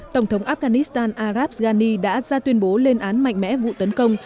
tổng thống afghanistan arab ghani đã ra tuyên bố lên án mạnh mẽ vụ tấn công